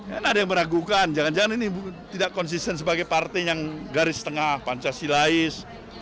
kan ada yang meragukan jangan jangan ini tidak konsisten sebagai partai yang garis tengah pancasilais